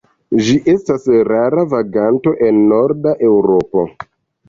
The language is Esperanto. Ĝi estas rara vaganto en norda Eŭropo.